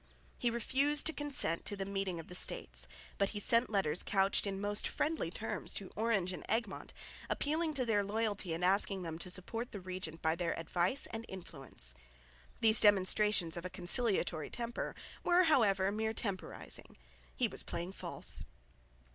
He refused to consent to the meeting of the States, but he sent letters couched in most friendly terms to Orange and Egmont appealing to their loyalty and asking them to support the regent by their advice and influence. These demonstrations of a conciliatory temper were however mere temporising. He was playing false.